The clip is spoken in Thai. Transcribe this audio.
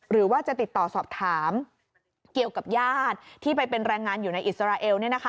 หรือว่าจะติดต่อสอบถามเกี่ยวกับญาติที่ไปเป็นแรงงานอยู่ในอิสราเอล